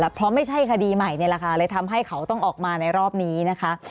เพราะไม่ใช่คดีใหม่นี่แหละค่ะเลยทำให้เขาต้องออกมาในรอบนี้นะคะ